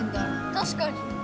たしかに。